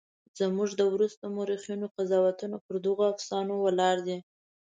زموږ د وروسته مورخینو قضاوتونه پر دغو افسانو ولاړ دي.